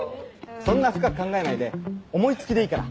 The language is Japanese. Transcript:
そんな深く考えないで思い付きでいいから。